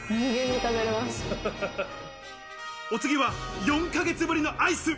お次は４ヶ月ぶりのアイス。